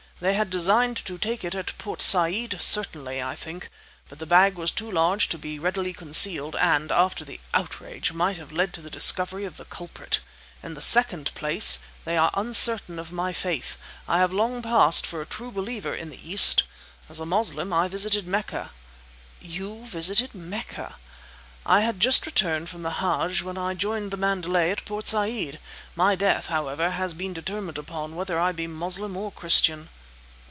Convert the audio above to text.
They had designed to take it at Port Said certainly, I think; but the bag was too large to be readily concealed, and, after the outrage, might have led to the discovery of the culprit. In the second place, they are uncertain of my faith. I have long passed for a true Believer in the East! As a Moslem I visited Mecca—" "You visited Mecca!" "I had just returned from the hadj when I joined the Mandalay at Port Said! My death, however, has been determined upon, whether I be Moslem or Christian!"